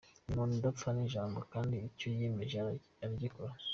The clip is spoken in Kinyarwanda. Ni umuntu udapfana ijambo kandi icyo yiyemeje aragikora.